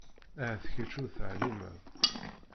Ahat kečč ur teεlimeḍ